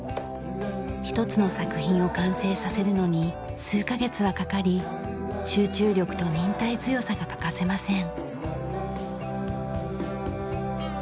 一つの作品を完成させるのに数カ月はかかり集中力と忍耐強さが欠かせません。